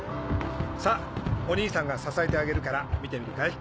さっお兄さんが支えてあげるから見てみるかい？